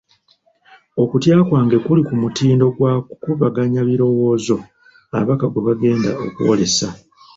Okutya kwange kuli ku mutindo gwa kukubaganya birowoozo ababaka gwe bagenda okwolesa.